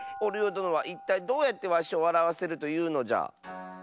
どのはいったいどうやってわしをわらわせるというのじゃ？